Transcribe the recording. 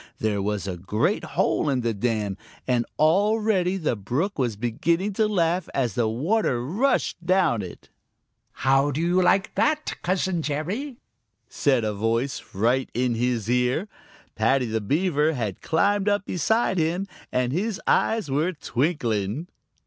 There was a great hole in the dam, and already the brook was beginning to laugh as the water rushed down it. "How do you like that, Cousin Jerry?" said a voice right in his ear. Paddy the Beaver had climbed up beside him, and his eyes were twinkling.